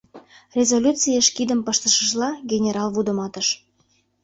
Резолюциеш кидым пыштышыжла, генерал вудыматыш: